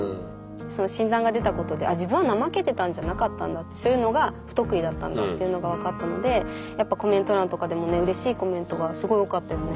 その診断が出たことで自分はそういうのが不得意だったんだっていうのが分かったのでやっぱコメント欄とかでもねうれしいコメントがすごい多かったよね。